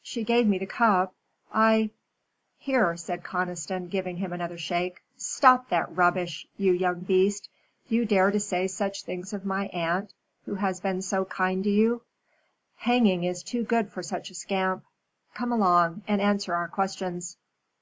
She gave me the cup I " "Here," said Conniston, giving him another shake, "stop that rubbish, you young beast. You dare to say such things of my aunt, who has been so kind to you. Hanging is too good for such a scamp. Come along, and answer our questions."